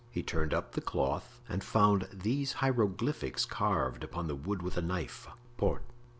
He turned up the cloth and found these hieroglyphics carved upon the wood with a knife: "Port....